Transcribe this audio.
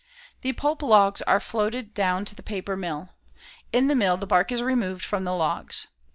The pulp logs are floated down to the paper mill. In the mill the bark is removed from the logs.